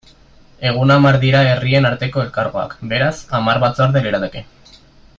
Egun hamar dira herrien arteko elkargoak, beraz, hamar batzorde lirateke.